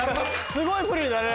すごいプリンだね。